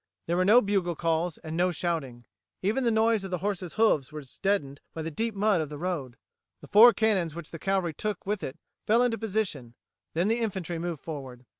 There were no bugle calls, and no shouting. Even the noise of the horses' hoofs was deadened by the deep mud of the road. The four cannons which the cavalry took with it fell into position; then the infantry moved forward.